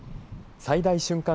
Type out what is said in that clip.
最大瞬間